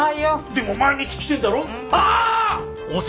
でも毎日来てんだろ？あっ！